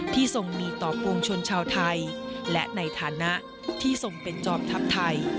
ทรงมีต่อปวงชนชาวไทยและในฐานะที่ทรงเป็นจอมทัพไทย